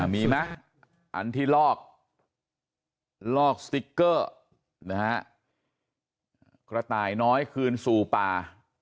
มีไหมอันที่ลอกลอกสติ๊กเกอร์นะฮะกระต่ายน้อยคืนสู่ป่า